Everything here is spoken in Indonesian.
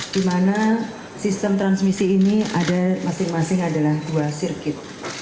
di mana sistem transmisi ini ada masing masing adalah dua sirkuit